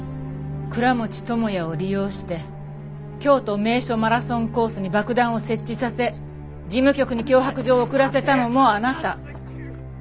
倉持智也を利用して京都名所マラソンコースに爆弾を設置させ事務局に脅迫状を送らせたのもあなた。